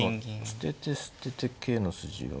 捨てて捨てて桂の筋読む。